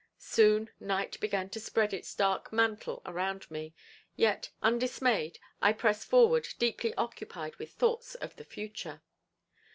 Soon night began to spread its dark mantle around me, yet undismayed, I pressed forward deeply occupied with thoughts of the future.